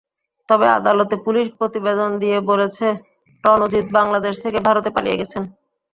তবে আদালতে পুলিশ প্রতিবেদন দিয়ে বলেছে, রণজিৎ বাংলাদেশ থেকে ভারতে পালিয়ে গেছেন।